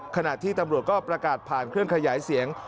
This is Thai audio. ขณะที่ตำรวจก็ประกาศผ่านเครื่องขยายเสียง